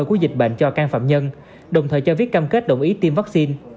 của dịch bệnh cho can phạm nhân đồng thời cho viết cam kết đồng ý tiêm vaccine